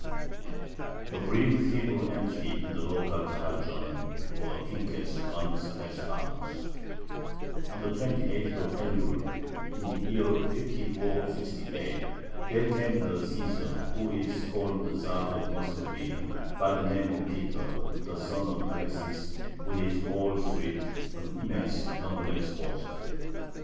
A brief Hebrew entry in the local Kahal journal, or Pinkes, runs as follows: On the twenty eighth of Elul, in the year 5468, there came the Cæsar, who is called the Tzar of Muscovy, by the name of Peter, the son of Alexis, with his whole suite, an immense, numberless host.